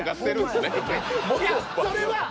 いやそれは。